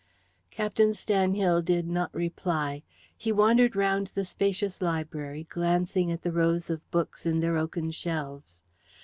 Captain Stanhill did not reply. He wandered round the spacious library, glancing at the rows of books in their oaken shelves.